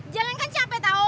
jalan kan capek tau